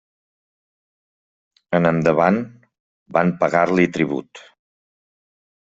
En endavant van pagar-li tribut.